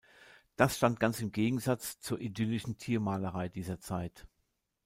Das stand ganz im Gegensatz zur „idyllischen“ Tiermalerei dieser Zeit.